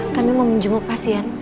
kami mau menjemput pasien